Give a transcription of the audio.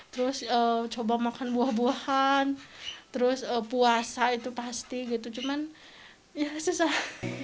terus coba makan buah buahan terus puasa itu pasti gitu cuman ya susah